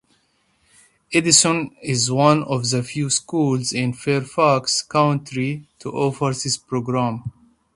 Edison is one of the few schools in Fairfax County to offer this program.